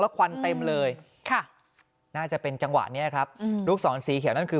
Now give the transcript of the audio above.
ควันเต็มเลยค่ะน่าจะเป็นจังหวะนี้ครับลูกศรสีเขียวนั่นคือ